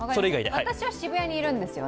私は渋谷にいるんですよね。